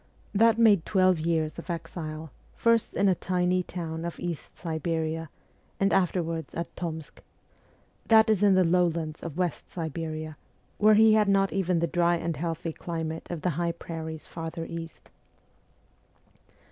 That made twelve years of exile, first in a tiny town of East Siberia, and afterwards at Tomsk that is in the lowlands of West Siberia, where he had not even the dry and healthy climate of the high prairies farther East.